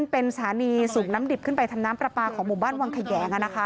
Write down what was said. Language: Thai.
เป็นสถานีสูบน้ำดิบขึ้นไปทำน้ำปลาปลาของหมู่บ้านวังแขยง